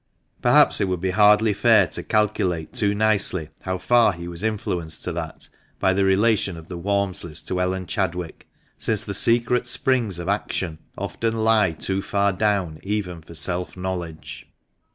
Perhaps it would be hardly fair to calculate too nicely how far he was influenced to that by the relation of the Walmsleys to Ellen Chadwick, since the secret springs of action often lie too far down even for self knowledge.